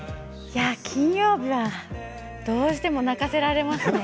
金曜日はどうしても泣かせられますね。